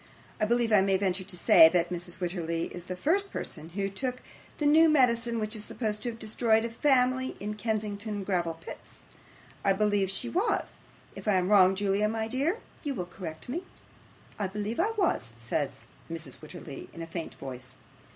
I believe I may venture to say, that Mrs. Wititterly is the first person who took the new medicine which is supposed to have destroyed a family at Kensington Gravel Pits. I believe she was. If I am wrong, Julia, my dear, you will correct me.' 'I believe I was,' said Mrs. Wititterly, in a faint voice.